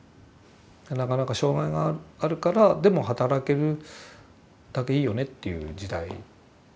なかなか障害があるからでも働けるだけいいよねという時代。